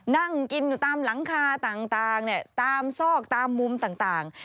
นั่งกินอยู่ตามหลังคาต่างตามซอกตามมุมต่าง